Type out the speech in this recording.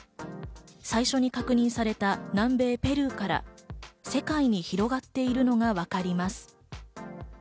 最初に確認された南米ペルーから世界に広がっているのがわかります。